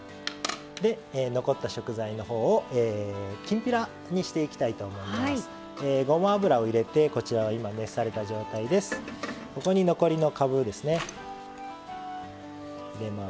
残った食材のほうをきんぴらにしていきたいと思います。